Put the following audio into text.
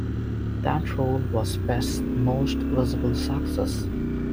That role was Best's most visible success.